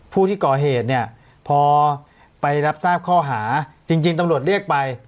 ผู้ที่ก่อเหตุเนี่ยพอไปรับทราบข้อหาจริงตำรวจเรียกไป